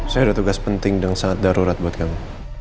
saya ada tugas penting dan sangat darurat buat kamu